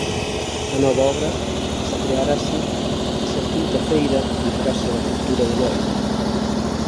A nova obra estrearase esa quinta feira na Casa da Cultura de Noia.